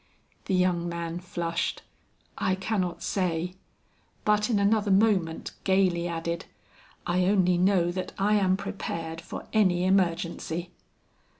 The young man flushed. "I cannot say." But in another moment gayly added, "I only know that I am prepared for any emergency."